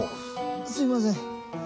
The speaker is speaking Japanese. すいません。